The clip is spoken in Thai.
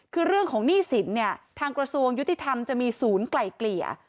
คือเรื่องของหนี้สินเนี่ยทางกระทรวงยุติธรรมจะมีศูนย์ไกล่เกลี่ย